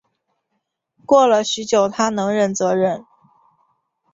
过了许久她能忍则忍